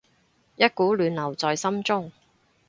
一股暖流在心中